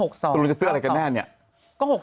ก็๖๒กับ๙๒ค่ะ